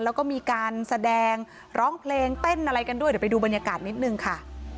แล้วก็มีการแสดงร้องเพลงเต้นอะไรกันด้วยเดี๋ยวไปดูบรรยากาศนิดนึงค่ะ